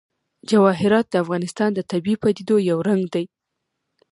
جواهرات د افغانستان د طبیعي پدیدو یو رنګ دی.